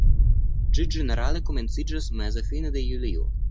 Ĝi ĝenerale komenciĝas meze-fine de julio.